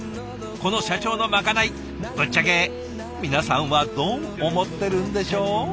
この社長のまかないぶっちゃけ皆さんはどう思ってるんでしょう？